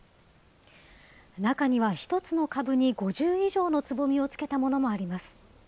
中には１つの株に５０以上のつぼみをつけたものもあります。